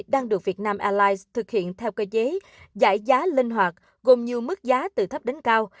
đang được việt nam airlines thực hiện theo cơ chế giải giá linh hoạt gồm nhiều mức giá từ thấp đến cao